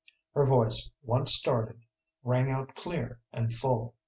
Her voice, once started, rang out clear and full.